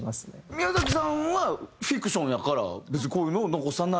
宮崎さんはフィクションやから別にこういうのを残さない？